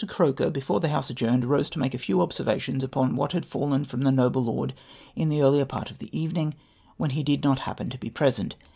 Mk. Ceokek, l)ef(tre the Ifonse adjourned, rose to make a few observations uj)on wlxat had faUen from the noble lord in the early part of the evening, when he did not happen to be present.